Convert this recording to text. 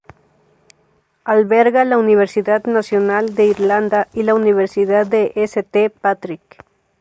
Alberga la universidad nacional de Irlanda y la universidad de St Patrick.